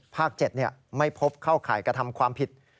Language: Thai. ๗ไม่พบเข้าข่ายกระทำความผิด